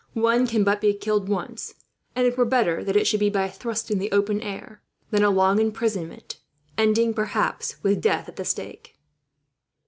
One can but be killed once, and it were better that it should be by a thrust in the open air than a long imprisonment, ending perhaps with death at the stake."